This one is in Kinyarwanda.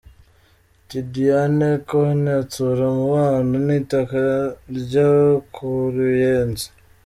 Tidiane Kone atsura umubano n'itaka ryo ku Ruyenzi.